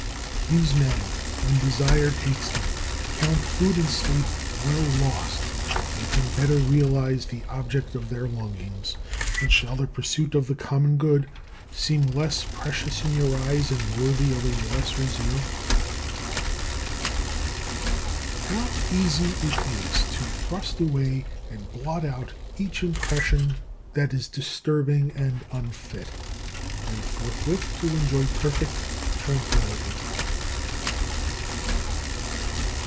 These men, when desire takes them, count food and sleep well lost if they can better realize the object of their longings; and shall the pursuit of the common good seem less precious in your eyes and worthy of a lesser zeal? 2. How easy it is to thrust away and blot out each impression that is disturbing and unfit; and forthwith to enjoy perfect tranquillity.